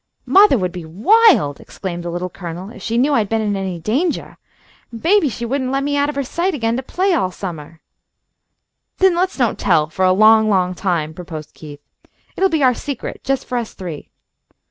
"Mothah would be wild" exclaimed the Little Colonel, "if she knew I had been in any dangah. Maybe she wouldn't let me out of her sight again to play all summah." "Then let's don't tell for a long, long time," proposed Keith. "It'll be our secret, just for us three."